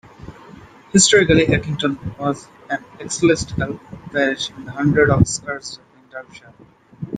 Historically, Eckington was an ecclesiastical parish in the hundred of Scarsdale in Derbyshire.